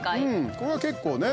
これは結構ね。